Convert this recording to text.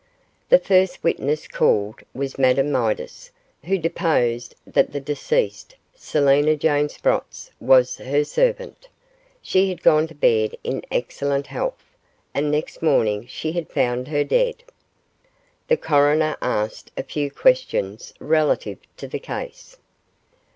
The first witness called was Madame Midas, who deposed that the deceased, Selina Jane Sprotts, was her servant. She had gone to bed in excellent health, and next morning she had found her dead. The Coroner asked a few questions relative to the case.